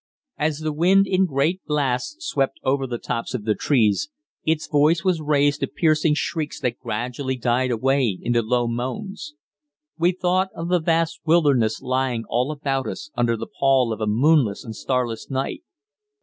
As the wind in great blasts swept over the tops of the trees, its voice was raised to piercing shrieks that gradually died away into low moans. We thought of the vast wilderness lying all about us under the pall of a moonless and starless night.